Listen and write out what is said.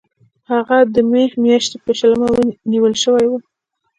هغه د می میاشتې په شلمه نیول شوی و.